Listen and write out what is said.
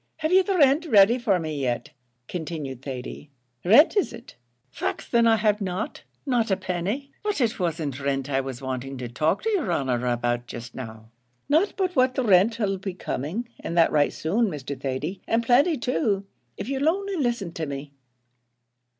"Have you the rint ready for me yet?" continued Thady. "Rint is it? faix then I have not not a penny; but it wasn't rint I was wanting to talk to your honer about just now; not but what the rint 'll be coming, and that right soon, Mr. Thady, and plenty too if you'll only listen to me."